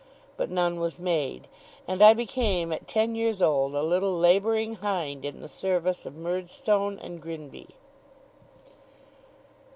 But none was made; and I became, at ten years old, a little labouring hind in the service of Murdstone and Grinby.